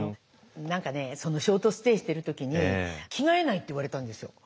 何かねショートステイしてる時に「着替えない」って言われたんですよ。